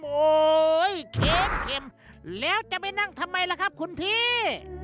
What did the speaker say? โอ้โหเค็มแล้วจะไปนั่งทำไมล่ะครับคุณพี่